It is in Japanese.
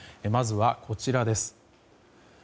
まずはこちらです。